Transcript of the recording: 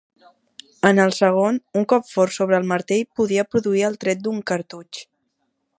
En el segon, un cop fort sobre el martell podia produir el tret d'un cartutx.